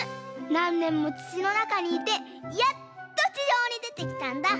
なんねんもつちのなかにいてやっとちじょうにでてきたんだ。